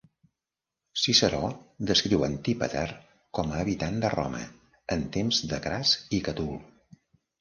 Ciceró descriu Antípater com a habitant de Roma en temps de Cras i Catul.